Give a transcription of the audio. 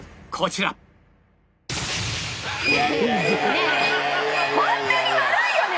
ねえホントに悪いよね！